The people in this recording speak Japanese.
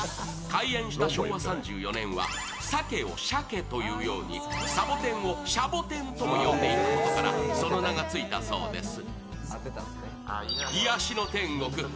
開園した昭和３４年はサケをシャケというようにサボテンをシャボテンも呼んでいたことから、その名がついたそうです。